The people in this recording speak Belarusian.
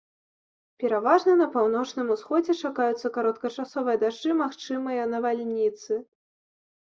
Пераважна на паўночным усходзе чакаюцца кароткачасовыя дажджы, магчымыя навальніцы.